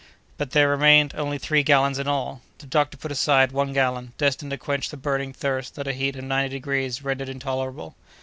But, there remained only three gallons in all! The doctor put aside one gallon, destined to quench the burning thirst that a heat of ninety degrees rendered intolerable.